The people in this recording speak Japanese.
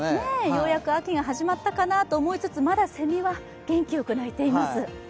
ようやく秋が始まったかなと思いつつ、まだセミは元気よく鳴いています。